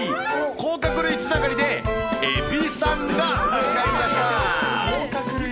甲殻類つながりで、えびさんが向かいました。